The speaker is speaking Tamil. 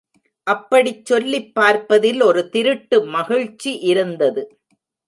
அப்படிச் சொல்லிப் பார்ப்பதில் ஒரு திருட்டு மகிழ்ச்சி இருந்தது.